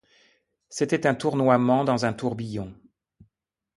C’était un tournoiement dans un tourbillon.